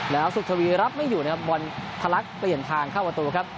แล้วสุทธวีรับไม่อยู่วันพลักษณ์เปลี่ยนทางเข้าประตูครับ